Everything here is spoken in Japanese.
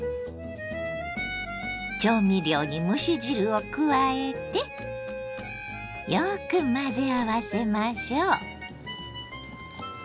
調味料に蒸し汁を加えてよく混ぜ合わせましょう。